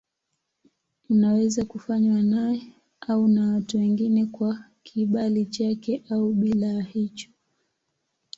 Unaweza kufanywa naye au na watu wengine kwa kibali chake au bila ya hicho.